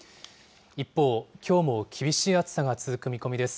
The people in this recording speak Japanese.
一方、きょうも厳しい暑さが続く見込みです。